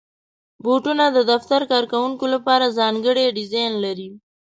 بوټونه د دفتر کارکوونکو لپاره ځانګړي ډیزاین لري.